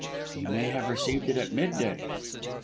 "He may have received it at mid day."